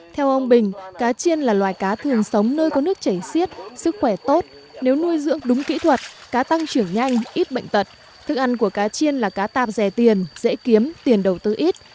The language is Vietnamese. theo ông bình cá chiên là loài cá thường sống nơi có nước chảy xiết sức khỏe tốt nếu nuôi dưỡng đúng kỹ thuật cá tăng trưởng nhanh ít bệnh tật thức ăn của cá chiên là cá tạp rẻ tiền dễ kiếm tiền đầu tư ít